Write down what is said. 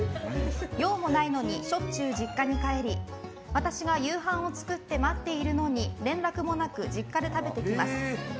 用もないのにしょっちゅう実家に帰り私が夕飯を作って待っているのに連絡もなく実家で食べてきます。